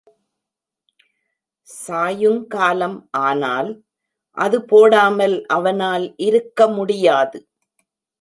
சாயுங்காலம் ஆனால் அது போடாமல் அவனால் இருக்க முடியாது.